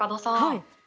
はい。